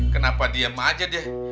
kenapa diem aja dia